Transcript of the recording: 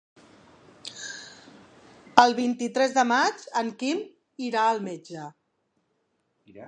El vint-i-tres de maig en Quim irà al metge.